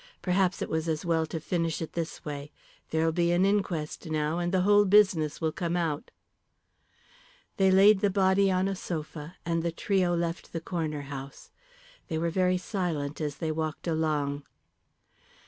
Perhaps it was as well to finish it this way. There'll be an inquest now, and the whole business will come out." They laid the body on a sofa, and the trio left the Corner House. They were very silent as they walked along.